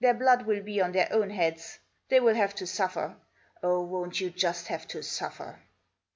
147 blood will be on their own heads. They'll have to suffer. Oh, won't you just have to suffer